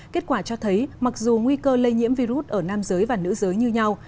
kết quả cho thấy mặc dù nguy cơ lây nhiễm virus ở nam giới và nữ giới như nhau